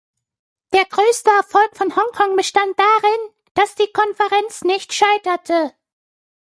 Der größte Erfolg von Hongkong bestand darin, dass die Konferenz nicht scheiterte.